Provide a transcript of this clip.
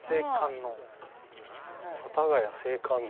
幡ヶ谷聖観音。